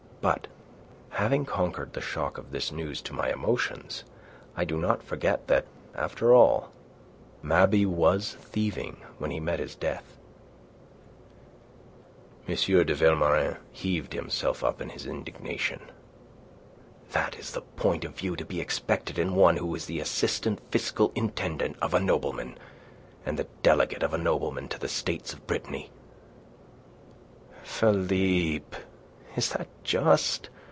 But, having conquered the shock of this news to my emotions, I do not forget that, after all, Mabey was thieving when he met his death." M. de Vilmorin heaved himself up in his indignation. "That is the point of view to be expected in one who is the assistant fiscal intendant of a nobleman, and the delegate of a nobleman to the States of Brittany." "Philippe, is that just?